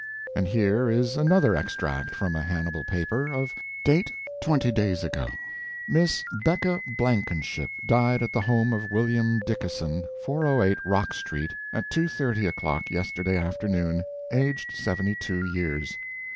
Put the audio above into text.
And here is another extract from a Hannibal paper, of date twenty days ago: Miss Becca Blankenship died at the home of William Dickason, 408 Rock Street, at 2.30 o'clock yesterday afternoon, aged 72 years.